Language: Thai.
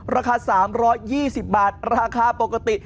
ราคา๓๒๐บาทราคาปกติ